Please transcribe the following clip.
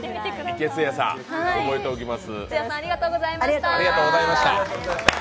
いけすやさん覚えておきます。